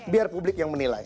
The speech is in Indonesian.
biar publik yang menilai